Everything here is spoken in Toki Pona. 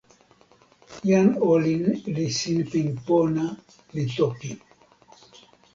jan olin li sinpin pona, li toki: